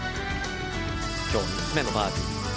今日３つ目のバーディー。